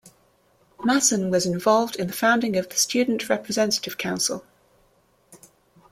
Masson was involved in the founding of the Student Representative Council.